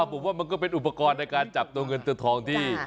ผมว่ามันก็เป็นอุปกรณ์ในการจับตัวเงินตัวทองที่